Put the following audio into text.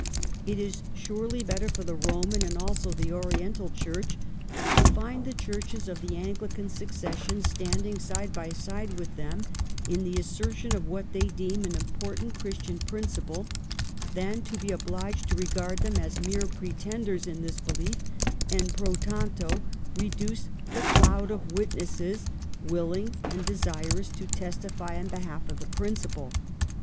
It is surely better for the Roman and also the Oriental Church to find the churches of the Anglican suc cession standing side by side with them in the assertion of what they deem an important Christian principle than to be obliged to regard them as mere pretenders in this belief and pro taiito reduce the * cloud of witnesses' willing and desirous to testify on behalf of the principle.